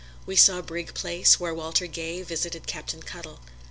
We saw Brig Place, where Walter Gay visited Captain Cuttle.